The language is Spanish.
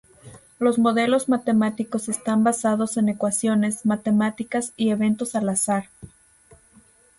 Los modelos matemáticos están basados en ecuaciones matemáticas y eventos al azar.